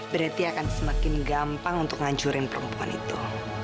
berarti akan semakin gampang untuk ngancurin perempuan itu